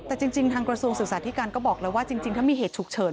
แต่จริงทางกระทรวงศึกษาธิการก็บอกแล้วว่าจริงถ้ามีเหตุฉุกเฉิน